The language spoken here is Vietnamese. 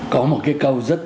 có một cái câu rất